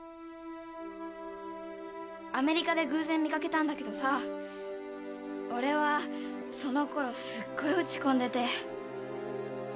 アメリカで偶然見掛けたんだけどさ俺はそのころすごい落ち込んでて。